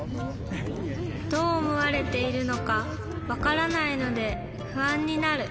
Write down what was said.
どうおもわれているのかわからないのでふあんになる。